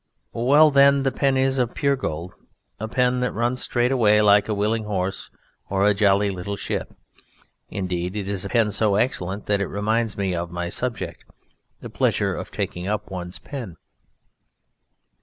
Well then, the pen is of pure gold, a pen that runs straight away like a willing horse, or a jolly little ship; indeed, it is a pen so excellent that it reminds me of my subject: the pleasure of taking up one's pen.